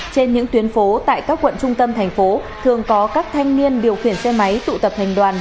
trên những tuyến phố tại các quận trung tâm thành phố thường có các thanh niên điều khiển xe máy tụ tập thành đoàn